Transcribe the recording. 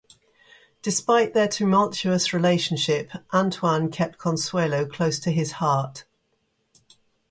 Despite their tumultuous relationship, Antoine kept Consuelo close to his heart.